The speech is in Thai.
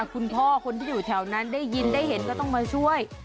คุณพ่อคนที่อยู่แถวนั้นได้ยินได้เห็นก็ต้องมาช่วย